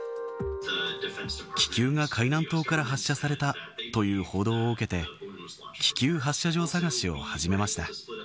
気球が海南島から発射されたという報道を受けて、気球発射場探しを始めました。